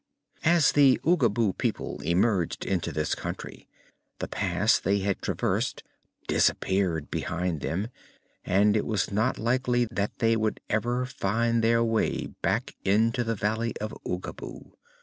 As the Oogaboo people emerged into this country, the pass they had traversed disappeared behind them and it was not likely they would ever find their way back into the valley of Oogaboo.